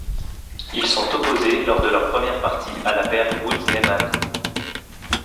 Ils sont opposés lors de leur première partie à la paire Woods-Lehman.